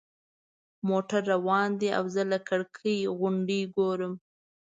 موټر روان دی او زه له کړکۍ غونډۍ ګورم.